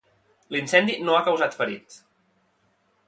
L'incendi no ha causat ferits.